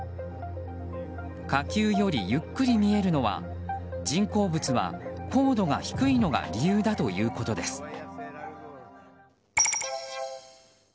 火球よりゆっくり見えるのは人工物は高度が低いのが理由だということです。